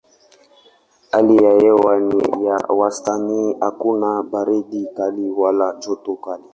Hali ya hewa ni ya wastani hakuna baridi kali wala joto kali.